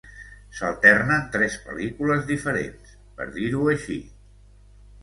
S'alternen tres pel·lícules diferents, per dir-ho així.